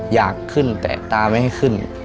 อยากขึ้นแต่ตาไม่ให้ขึ้น